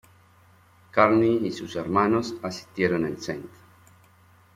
Carney y sus hermanos asistieron al St.